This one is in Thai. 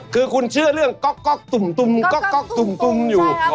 คือคุณเชื่อเรื่องก๊อกตุ่มอยู่